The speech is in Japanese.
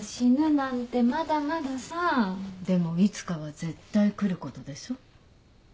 でもいつかは絶対来ることでしょ？